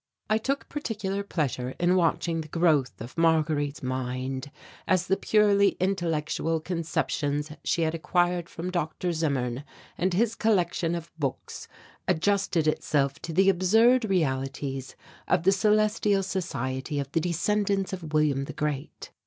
I took particular pleasure in watching the growth of Marguerite's mind, as the purely intellectual conceptions she had acquired from Dr. Zimmern and his collection of books adjusted itself to the absurd realities of the celestial society of the descendants of William the Great.